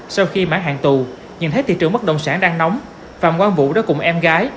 sau khi mãn hạn tù nhìn thấy thị trường mất đồng sản đang nóng phạm quang vũ đã cùng em gái